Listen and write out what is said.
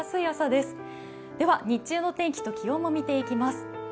では日中の天気と気温を見ていきます。